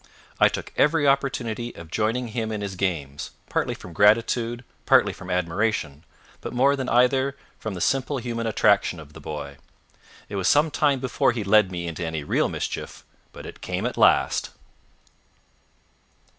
I took every opportunity of joining him in his games, partly from gratitude, partly from admiration, but more than either from the simple human attraction of the boy. It was some time before he led me into any real mischief, but it came at last.